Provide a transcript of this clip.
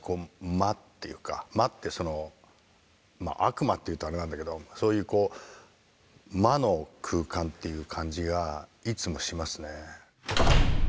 魔っていうか魔ってそのまあ悪魔っていうとあれなんだけどそういう魔の空間っていう感じがいつもしますね。